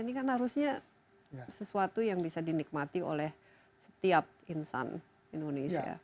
ini kan harusnya sesuatu yang bisa dinikmati oleh setiap insan indonesia